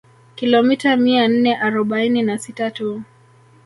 Kilomita mia nne arobaini na sita tu